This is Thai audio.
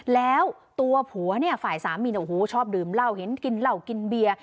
แล้วตัวผัวฝ่ายสามีชอบดื่มเหล้าเห็นกินเหล้ากินเบียร์